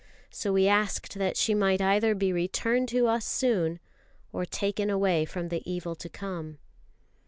So we asked that she might either be returned to us soon or taken away from the evil to come.